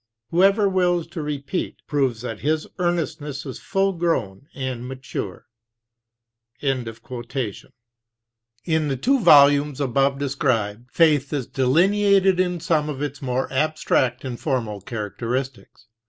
Whoever wills to repeat, proves that his earnestness is full grown and mature." In the two volumes above described, Faith is delineated in some of its more abstract and formal characteristics.